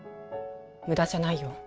無駄じゃないよ